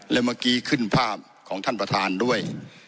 และเมื่อกี้ขึ้นภาพของท่านประธานด้วย